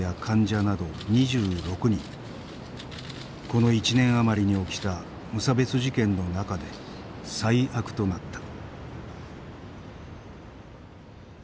この１年余りに起きた無差別事件の中で最悪となった。